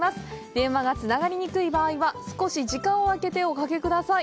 電話がつながりにくい場合は少し時間をあけておかけください。